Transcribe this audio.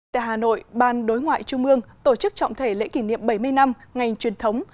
tại hà nội ban đối ngoại trung mương tổ chức trọng thể lễ kỷ niệm bảy mươi năm ngày truyền thống